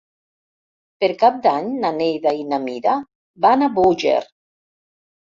Per Cap d'Any na Neida i na Mira van a Búger.